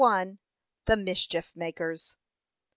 THE MISCHIEF MAKERS.